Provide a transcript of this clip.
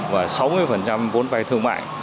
và sáu mươi vốn vay thương mại